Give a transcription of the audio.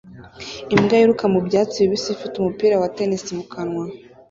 Imbwa yiruka mu byatsi bibisi ifite umupira wa tennis mu kanwa